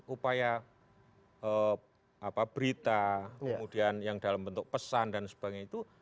upaya berita kemudian yang dalam bentuk pesan dan sebagainya itu